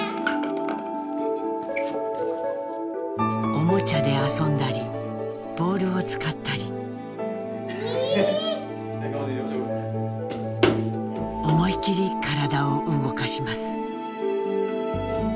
おもちゃで遊んだりボールを使ったり思い切り体を動かします。